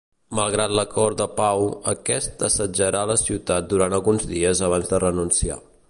Malgrat l'acord de pau, aquest assetjarà la ciutat durant alguns dies abans de renunciar.